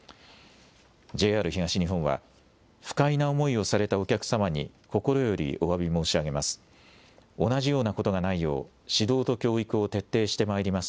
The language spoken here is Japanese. ＪＲ東日本は不快な思いをされたお客様に心よりおわび申し上げます。